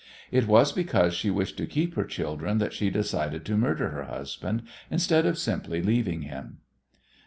It was because she wished to keep her children that she decided to murder her husband instead of simply leaving him.